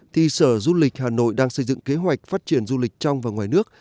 thì sở du lịch hà nội đang xây dựng kế hoạch phát triển du lịch trong và ngoài nước